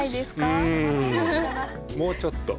うんもうちょっと。